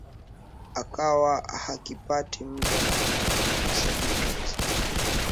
akuwa hakipati muda wa kusagika vizuri